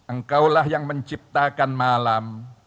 engkaulah yang menciptakan malam